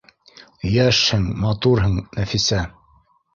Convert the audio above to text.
— Йәшһең, матурһың, Нәфисә